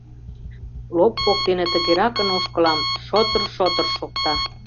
Лоп воктене тыгеракын ошкылам, шотыр-шотыр шокта.